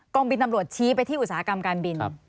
บินตำรวจชี้ไปที่อุตสาหกรรมการบิน